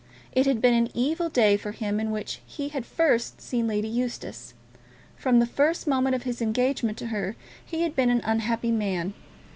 It had been an evil day for him in which he had first seen Lady Eustace. From the first moment of his engagement to her he had been an unhappy man.